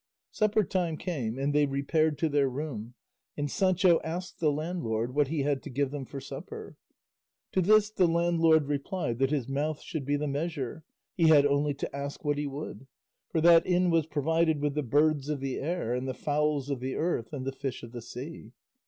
Supper time came, and they repaired to their room, and Sancho asked the landlord what he had to give them for supper. To this the landlord replied that his mouth should be the measure; he had only to ask what he would; for that inn was provided with the birds of the air and the fowls of the earth and the fish of the sea.